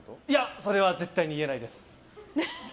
それは絶対に言えないです。